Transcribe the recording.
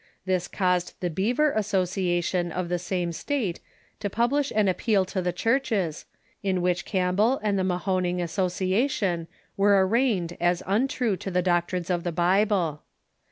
This caused the Beaver Association of the same state to publish an api)eal to the churches, in which Campbell and the Maho ning Association were arraigned as untrue to the doctrines of the Bible.